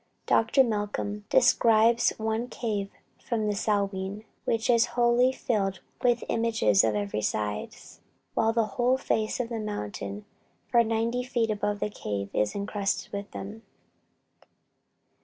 Dr. Malcom describes one cave on the Salwen, which is wholly filled with images of every size, while the whole face of the mountain for ninety feet above the cave is incrusted with them.